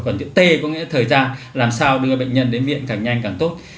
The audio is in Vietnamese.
còn chữ t có nghĩa là thời gian làm sao đưa bệnh nhân đến viện càng nhanh càng tốt